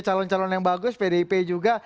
calon calon yang bagus pdip juga